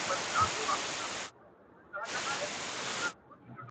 زړه مي له رباب سره ياري کوي’